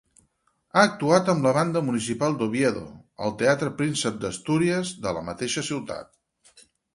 Ha actuat amb la Banda Municipal d'Oviedo, al Teatre Príncep d'Astúries, de la mateixa ciutat.